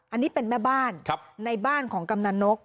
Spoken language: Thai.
อันนี้เป็นแม่บ้านในบ้านของกำนันนก